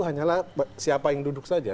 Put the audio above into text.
hanyalah siapa yang duduk saja